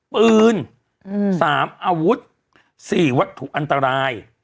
ปืน๓อาวุธ๔วัตถุอันตราย